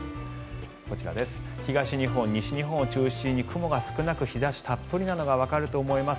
こちら、東日本、西日本を中心に雲が少なく日差したっぷりなのがわかると思います。